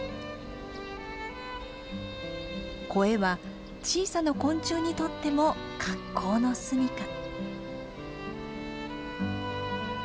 コエは小さな昆虫にとっても格好の住みか。